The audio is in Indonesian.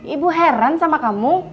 ibu heran sama kamu